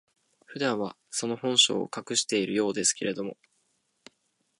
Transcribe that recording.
普段は、その本性を隠しているようですけれども、